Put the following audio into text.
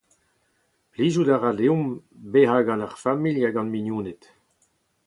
Plijout a ra deomp bezañ gant ar familh ha gant mignoned.